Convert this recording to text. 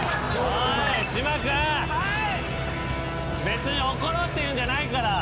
別に怒ろうっていうんじゃないから。